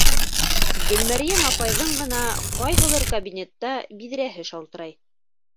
Гөлмәрйәм апайҙың ғына ҡайһылыр кабинетта биҙрәһе шалтырай.